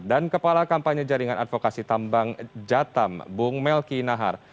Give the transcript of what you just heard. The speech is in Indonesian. dan kepala kampanye jaringan advokasi tambang jatam bung melki nahar